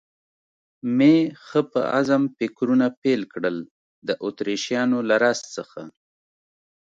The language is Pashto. مې ښه په عزم فکرونه پیل کړل، د اتریشیانو له راز څخه.